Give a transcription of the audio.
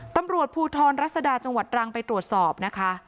ตำรวจภูทรรัศดาจังหวัดรังไปตรวจสอบนะคะ